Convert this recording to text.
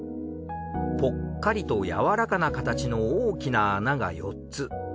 ポッカリとやわらかな形の大きな穴が４つ。